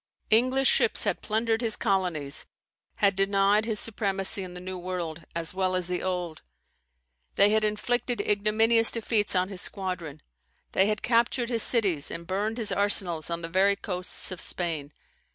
English ships had plundered his colonies; had denied his supremacy in the New World, as well as the Old; they had inflicted ignominious defeats on his squadrons; they had captured his cities, and burned his arsenals on the very coasts of Spain.